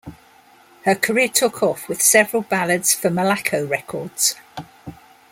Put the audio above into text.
Her career took off with several ballads for Malaco Records.